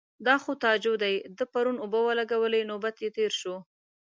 _دا خو تاجو دی، ده پرون اوبه ولګولې. نوبت يې تېر شو.